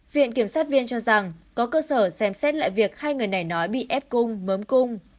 viện kiểm sát viên cho rằng có cơ sở xem xét lại việc hai người này nói bị ép cung mớm cung